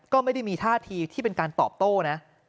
ก็ไม่ได้มีท่าทีที่เป็นการตอบโต้นะ